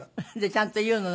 ちゃんと言うの？